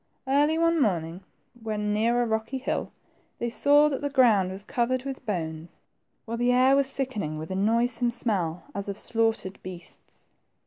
Early one morning, when near a rocky hill, they saw that the ground was covered with bones, while the air was sickening with a noisome smell, as of slaughtered beasts.